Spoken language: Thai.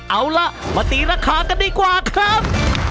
เอาล่ะมาตีราคากันดีกว่าครับ